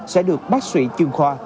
sẽ được bác sĩ chương khoa